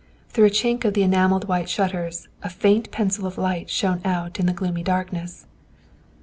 Through a chink of the enamelled white shutters a faint pencil of light shone out in the gloomy darkness.